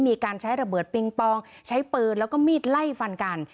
มีการใช้ระเบิดปิงปองใช้ปืนแล้วก็มีดไล่ฟันกัน